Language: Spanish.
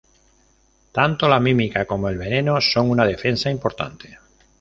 Tanto la mímica como el veneno son una defensa importante.